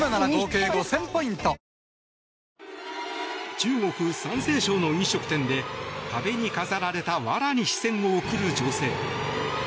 中国・山西省の飲食店で壁に飾られたわらに視線を送る女性。